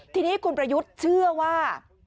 ทีนี้คุณประยุทธ์เชื่อว่า